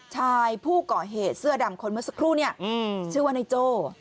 ชายผู้ก่อเหตุเสื้อดำคนเมื่อสักครู่เนี่ยชื่อว่านายโจ้